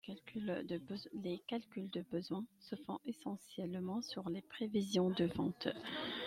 Les calculs de besoins se font essentiellement sur les prévisions de ventes.